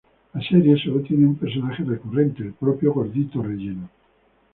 La serie sólo tiene un personaje recurrente, el propio Gordito Relleno.